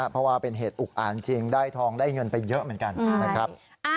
เพราะว่าเป็นเหตุอุกอ่านจริงได้ทองได้เงินไปเยอะเหมือนกันนะครับ